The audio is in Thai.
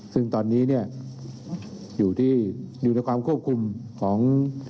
ซึ่งตอนนี้เนี่ยอยู่ที่อยู่ในความควบคุมของ